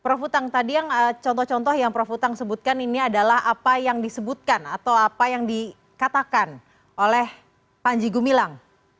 prof utang tadi yang contoh contoh yang prof utang sebutkan ini adalah apa yang disebutkan atau apa yang dikatakan oleh panji gumilang